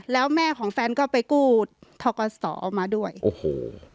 แล้วแม่ของแฟนก็ไปกู้ทกศออกมาด้วยโอ้โห